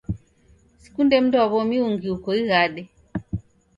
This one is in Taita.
Sikunde mndwaw'omi ungi uko ighade